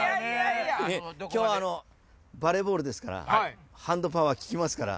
今日はバレーボールですからハンドパワー利きますから。